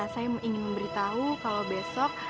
saya ingin memberitahu kalau besok